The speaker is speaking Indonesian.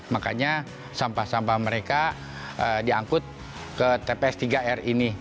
makanya sampah sampah mereka diangkut ke tps tiga r ini